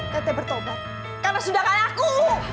teteh bertobat karena sudah kan aku